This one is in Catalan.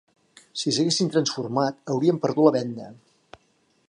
Si s'haguessin transformat haurien perdut la venda